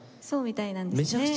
そうみたいなんですね。